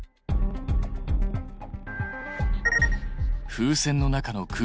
風船の中の空気。